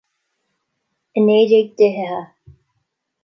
A naoi déag d'fhichithe